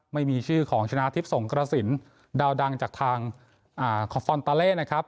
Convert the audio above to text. ไม่มีชื่อของชนะทิพย์สงกระสินดาวดังจากทางฟอนตาเล่นะครับ